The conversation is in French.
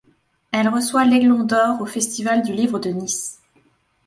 Elle reçoit l'Aiglon d'or au Festival du livre de Nice.